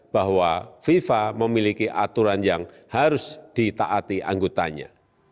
bahwa fifa memiliki aturan yang harus ditaati anggotanya